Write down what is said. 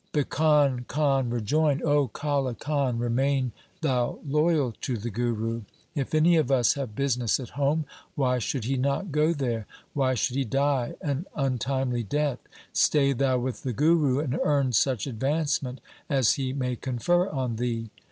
Bhikan Khan rejoined, ' O Kale Khan, remain thou loyal to the Guru. If any of us LIFE OF GURU GOBIND SINGH 31 have business at home, why should he not go there ? Why should he die an untimely death ? Stay thou with the Guru and earn such advancement as he may confer on thee.'